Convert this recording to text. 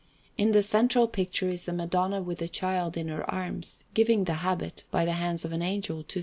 In the central picture is the Madonna with the Child in her arms, giving the habit, by the hands of an Angel, to S.